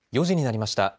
４時になりました。